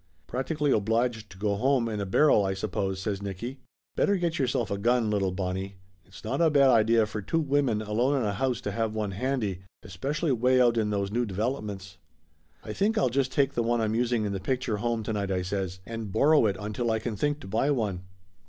"Practically obliged to go home in a barrel, I sup pose," says Nicky. "Better get yourself a gun, little Bonnie. It's not a bad idea for two women alone in a house to have one handy, especially way out in those new developments." "I think I'll just take the one I'm using in the picture home to night," I says, "and borrow it until I can think to buy one."